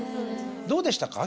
どうでしたか？